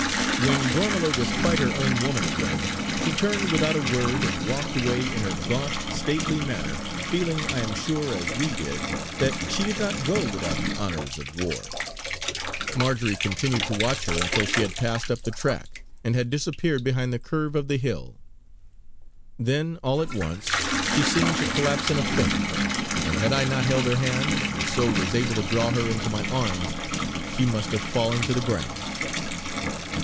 When Gormala was quite her own woman again, she turned without a word and walked away in her gaunt, stately manner, feeling I am sure, as we did, that she did not go without the honours of war. Marjory continued to watch her until she had passed up the track, and had disappeared behind the curve of the hill. Then, all at once, she seemed to collapse in a faint; and had I not held her hand, and so was able to draw her into my arms, she must have fallen to the ground.